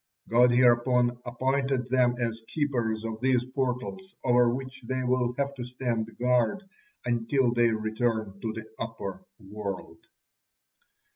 God hereupon appointed them as keepers of these portals over which they will have to stand guard until they return to the upper world.